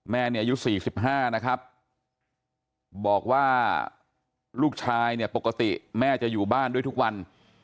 แม่เนี่ยอายุ๔๕นะครับบอกว่าลูกชายเนี่ยปกติแม่จะอยู่บ้านด้วยทุกวัน